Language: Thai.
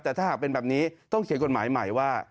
แต่ถ้าหากเป็นแบบนี้ต้องเขียนกฎหมายใหม่ว่า